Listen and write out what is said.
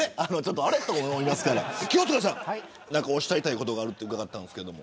清塚さん、何かおっしゃりたいことがあると伺ったんですけど。